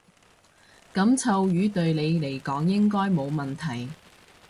噉臭魚對你嚟講應該冇問題